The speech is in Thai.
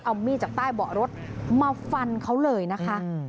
เอามีดจากใต้เบาะรถมาฟันเขาเลยนะคะ